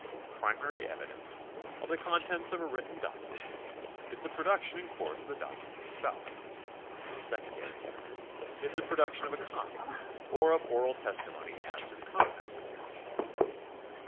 Primary evidence of the contents of a § 17.3] THE LAW OF PROCEDURE 443 written document is the production in court of the document itself ; secondary evidence is the production of a copy or of oral testimony as to the contents of the original.